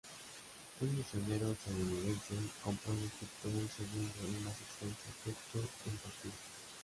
Un misionero estadounidense compró en Egipto un segundo y más extenso texto en papiro.